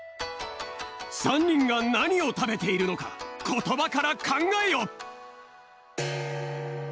３にんがなにをたべているのかことばからかんがえよ！